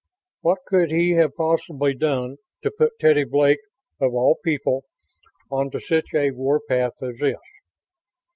What could he have possibly done to put Teddy Blake, of all people, onto such a warpath as this?